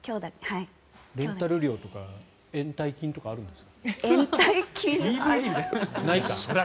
レンタル料とか延滞金とかあるんですか？